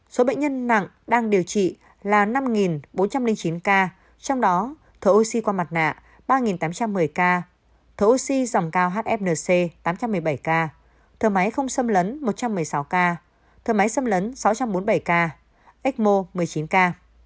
số bệnh nhân nặng đang điều trị là năm bốn trăm linh chín ca trong đó thở oxy qua mặt nạ ba tám trăm một mươi ca thổ oxy dòng cao hfnc tám trăm một mươi bảy ca thở máy không xâm lấn một trăm một mươi sáu ca thở máy xâm lấn sáu trăm bốn mươi bảy ca ecmo một mươi chín ca